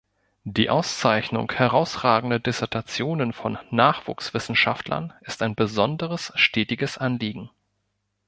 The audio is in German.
Die Auszeichnung herausragender Dissertationen von Nachwuchswissenschaftlern ist ein besonderes, stetiges Anliegen.